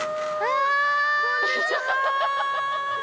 こんにちは！